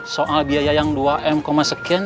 soal biaya yang dua m sekian